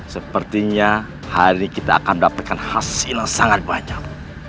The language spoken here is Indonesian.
sepertinya hari kita akan mendapatkan hasil yang sangat banyak